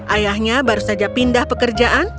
ayahnya baru saja pindah pekerjaan